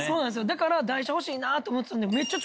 だから台車欲しいなって思ってたんで。